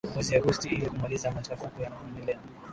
mwezi agost ili kumaliza machafuko yanayoendelea